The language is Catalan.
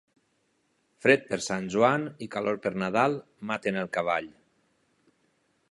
Fred per Sant Joan i calor per Nadal, maten el cavall.